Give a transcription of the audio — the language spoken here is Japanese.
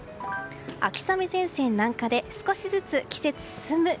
秋雨前線南下で少しずつ季節進む。